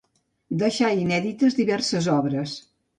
Deixà inèdites diverses obres.